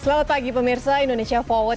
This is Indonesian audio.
selamat pagi pemirsa indonesia forward